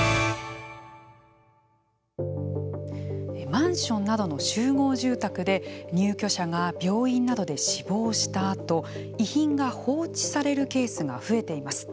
マンションなどの集合住宅で入居者が病院などで死亡したあと遺品が放置されるケースが増えています。